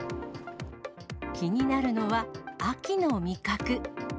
気になるのは、秋の味覚。